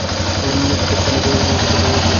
কাণ্ডের পর্ব মুকুল কে ধারণ করে থাকে।